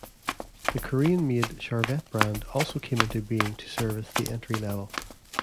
The Korean-made Charvette brand also came into being to service the entry-level.